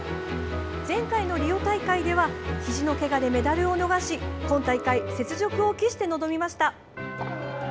前回のリオ大会ではひじのけがでメダルを逃し今大会、雪辱を期して挑みました。